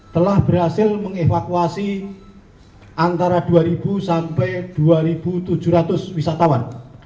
telah berhasil mengevakuasi antara dua sampai dua tujuh ratus wisatawan